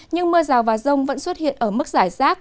nhưng mưa rào và rông vẫn xuất hiện ở mức giải rác